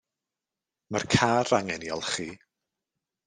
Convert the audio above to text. Mae'r car angen 'i olchi.